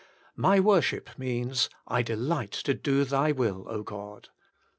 ... My worship means :" I delight to do Thy Will, God."